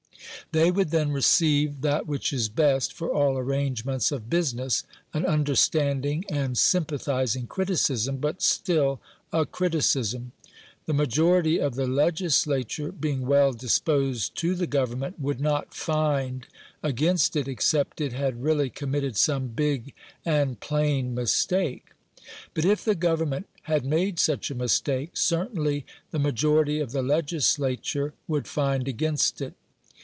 They would then receive that which is best for all arrangements of business, an understanding and sympathising criticism, but still a criticism. The majority of the legislature, being well disposed to the Government, would not "find" against it except it had really committed some big and plain mistake. But if the Government had made such a mistake, certainly the majority of the legislature would find against it.